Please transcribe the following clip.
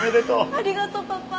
ありがとうパパ。